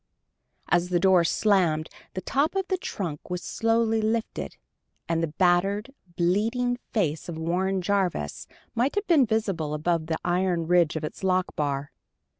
As the door slammed, the top of the trunk was slowly lifted, and the battered, bleeding face of Warren Jarvis might have been visible above the iron ridge of its lock bar.